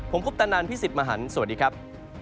ผมคุปตะนันพี่สิทธิ์มหันฯสวัสดีครับ